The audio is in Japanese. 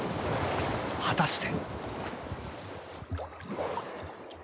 果たして。